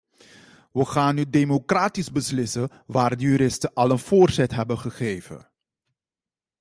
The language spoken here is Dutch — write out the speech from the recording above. Wij gaan nu democratisch beslissen waar de juristen al een voorzet hebben gegeven.